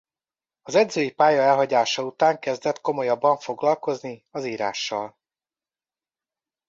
Az edzői pálya elhagyása után kezdett komolyabban foglalkozni az írással.